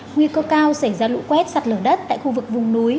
nguy cơ cao xảy ra lũ quét sạt lở đất tại khu vực vùng núi